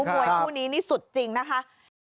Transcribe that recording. มวยคู่นี้นี่สุดจริงนะคะ